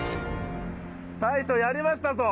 大将やりましたぞ！